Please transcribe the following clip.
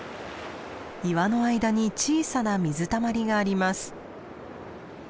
岩の間に小さな水たまりがあります。